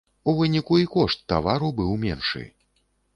У выніку і кошт тавару быў меншы.